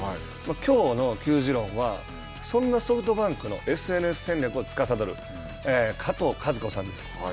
きょうの球自論はそんなソフトバンクのＳＮＳ戦略をつかさどる加藤和子さんです。